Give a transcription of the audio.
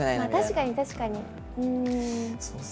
確かに確かに。